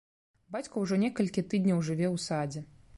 Бацька ўжо некалькі тыдняў жыве ў садзе.